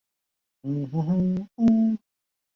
授山西平遥县知县。